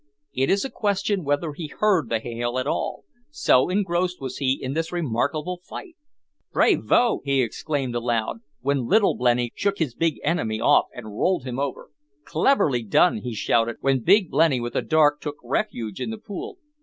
It is a question whether he heard the hail at all, so engrossed was he in this remarkable fight. "Brayvo!" he exclaimed aloud, when Little Blenny shook his big enemy off and rolled over him. "Cleverly done!" he shouted, when Big Blenny with a dart took refuge in the pool.